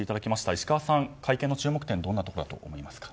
石川さん、会見の注目点どんなところだと思いますか。